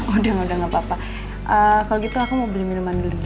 udah udah nggak papa kalau gitu aku mau beli minuman dulu ya